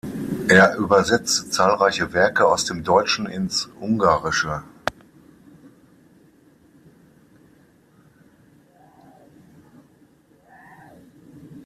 Er übersetzte zahlreiche Werke aus dem Deutschen ins Ungarische.